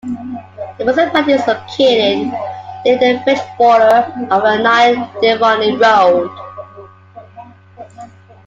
The municipality is located near the French border on the Nyon-Divonne road.